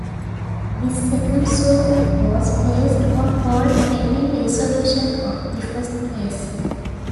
This second suit was placed on hold pending resolution of the first case.